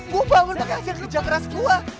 mau bangun pake hasil kerja keras gua